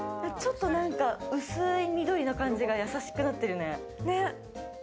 ちょっとなんか薄い緑の感じが優しくなってるね。